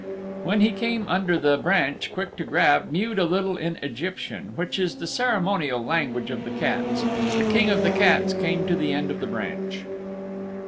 When he came under the branch Quick to Grab mewed a little in Egyptian, which is the ceremonial language of the Cats. The King of the Cats came to the end of the branch.